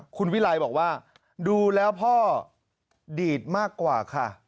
คุณวิไลบอกว่าดูแล้วพ่อดีดมากกว่าค่ะ